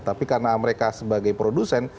tapi karena mereka sebagai produsen